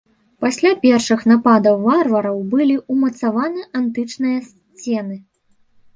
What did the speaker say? Пасля першых нападаў варвараў былі ўмацаваны антычныя сцены.